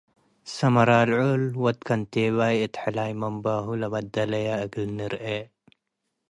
ሰምራርዑል ወድ ከንቴባይ እት ሕላይ መምብሁ ለበደለየ እግል ንርኤ።-